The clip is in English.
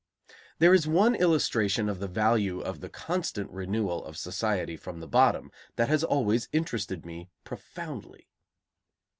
There is one illustration of the value of the constant renewal of society from the bottom that has always interested me profoundly.